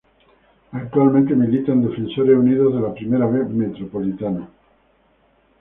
Actualmente milita en Defensores Unidos de la Primera B Metropolitana.